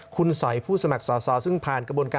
คุณสอยผู้สมัครสอสอซึ่งผ่านกระบวนการ